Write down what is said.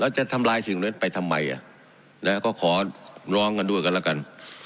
แล้วจะทำรายสิ่งนั้นไปทำไมอ่ะแล้วก็ขอร้องกันด้วยกันแล้วกัน